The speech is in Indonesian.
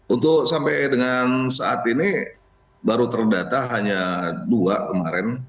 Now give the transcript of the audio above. untuk sampai dengan saat ini baru terdata hanya dua kemarin